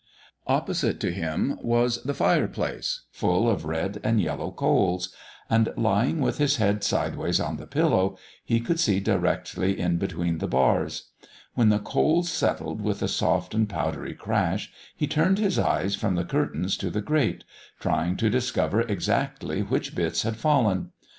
Opposite to him was the fireplace, full of red and yellow coals; and, lying with his head sideways on the pillow, he could see directly in between the bars. When the coals settled with a soft and powdery crash, he turned his eyes from the curtains to the grate, trying to discover exactly which bits had fallen.